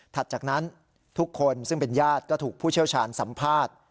จากนั้นทุกคนซึ่งเป็นญาติก็ถูกผู้เชี่ยวชาญสัมภาษณ์